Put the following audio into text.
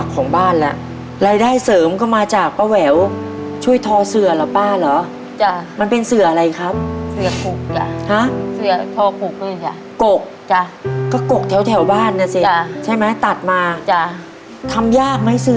กลัววัยจะไม่มีที่จะกิน